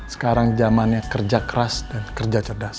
sekarang zamannya kerja keras dan kerja cerdas